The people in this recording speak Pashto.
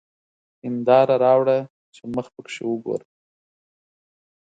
هېنداره راوړه چي مخ پکښې وګورم!